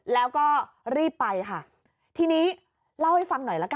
แล้วก็รีบไปค่ะทีนี้เล่าให้ฟังหน่อยละกัน